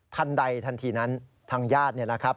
ทันใดทันทีนั้นทางญาตินี่แหละครับ